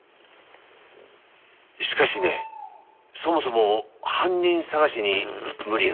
しかしねそもそも犯人捜しに無理があるんじゃないかな。